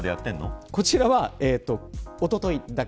こちらは、おとといだけ。